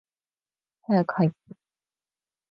早く入って。